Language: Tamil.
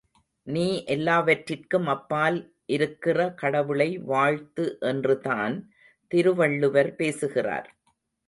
நீ எல்லாவற்றிற்கும் அப்பால் இருக்கிற கடவுளை வாழ்த்து என்றுதான் திருவள்ளுவர் பேசுகிறார்.